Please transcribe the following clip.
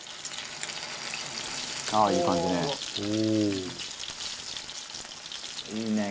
「ああいい感じね」